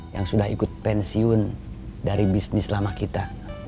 yang sudah ikut pensiun dari bisnis lama kita